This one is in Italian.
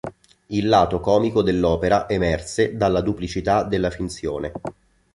Il lato comico dell'opera emerse dalla duplicità della finzione.